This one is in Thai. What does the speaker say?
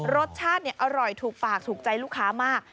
รสชาติอร่อยถูกปากถูกใจลูกค้ามาก